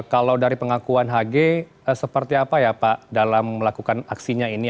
kalau dari pengakuan hg seperti apa ya pak dalam melakukan aksinya ini